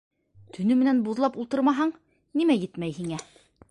Төнө менән буҙлап ултырмаһаң, нимә етмәй һиңә?